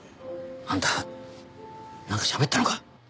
あんたなんかしゃべったのか？